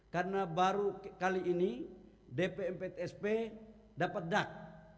karena baru kali ini dpm ptsp dapat dak